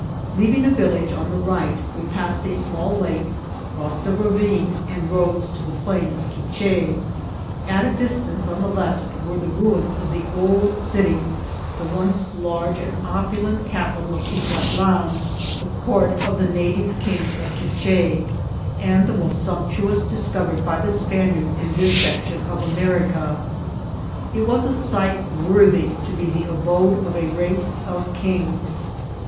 Leaving a village on the right, we passed a small lake, crossed a ravine, and rose to the plain of Quiche. At a distance on the left were the ruins of the old city, the once large and opulent capital of Utatlan, the court of the native VOL. II.— Y 15 170 INCIDENTS OF TRAVEL. kings of Quiche, and the most sumptuous discovered by the Spaniards in this section of America. It was a site worthy to be the abode of a race of a kings.